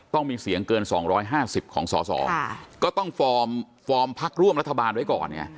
ต้องมีเสียงเกิน๒๕๐ของสอสอก็ต้องฟอร์มพักร่วมรัฐบาลไว้ก่อนไง